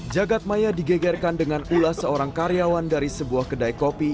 jagadmaya digegerkan dengan ulas seorang karyawan dari sebuah kedai kopi